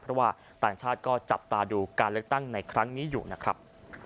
เพราะว่าต่างชาติก็จับตาดูการเลือกตั้งในครั้งนี้อยู่นะครับ